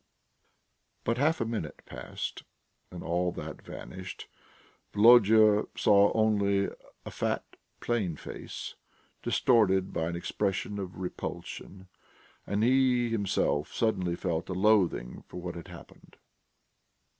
But half a minute passed and all that vanished. Volodya saw only a fat, plain face, distorted by an expression of repulsion, and he himself suddenly felt a loathing for what had happened.